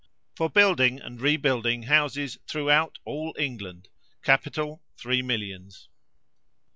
For building and rebuilding houses throughout all England Capital, three millions.